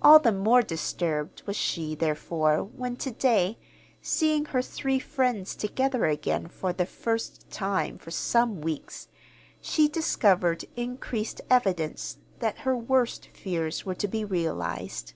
All the more disturbed was she, therefore, when to day, seeing her three friends together again for the first time for some weeks, she discovered increased evidence that her worst fears were to be realized.